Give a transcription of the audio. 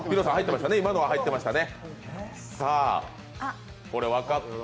今のは入ってましたね。